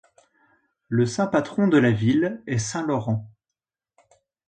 Le saint patron de la ville est saint Laurent.